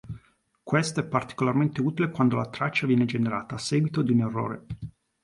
Questo è particolarmente utile quando la traccia viene generata a seguito di un errore.